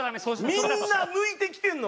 みんな抜いてきてんの！